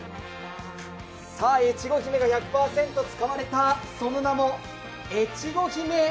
越後姫が１００％使われたその名も越後姫